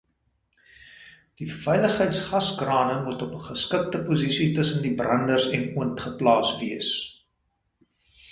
Die veiligheidsgaskrane moet op 'n geskikte posisie tussen die branders en oond geplaas wees.